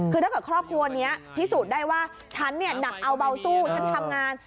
คือถ้าเกิดครอบครัวนี้พิสูจน์ได้ว่าฉันเนี่ยหนักเอาเบาสู้ฉันทำงาน